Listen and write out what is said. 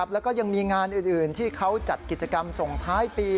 แล้วก็ยังมีงานอื่นที่เขาจัดกิจกรรมส่งท้ายปี